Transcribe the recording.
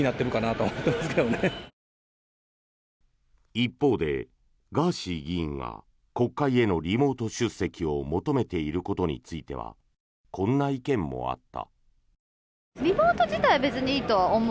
一方でガーシー議員が国会へのリモート出席を求めていることについてはこんな意見もあった。